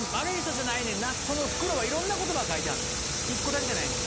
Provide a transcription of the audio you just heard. その袋はいろんな言葉書いてある１個だけじゃない。